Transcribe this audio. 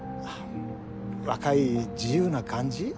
若い自由な感じ？